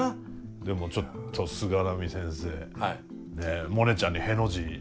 でもちょっと菅波先生モネちゃんにへの字。